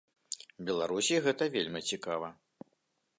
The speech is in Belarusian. Беларусі гэта вельмі цікава.